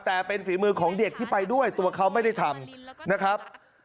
แต่เป็นฝีมือของเด็กที่ไปด้วยตัวเขาไม่ได้ทำนะครับ